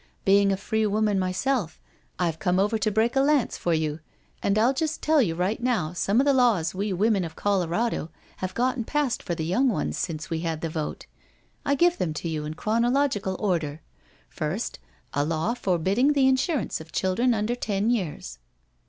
Being a free woman my self, I've come over to break a lance for you, and I'll just tell you right now some of the laws we women of Colorado have gotten passed for the young ones since we had the vote. I give them to you in chronological order. First, a law forbidding the insurance of children under ten years."